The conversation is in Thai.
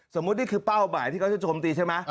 สมมุตินี่เป้าหมายทางจะชวมนี้ใช่ไหม